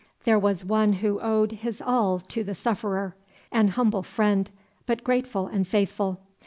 There was one who owed his all to the sufferer, an humble friend, but grateful and faithful.